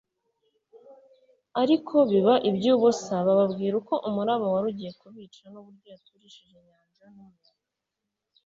ariko biba iby'ubusa. Bababwira uko umuraba wari ugiye kubica n'uburyo yaturishije inyanja n'umuyaga.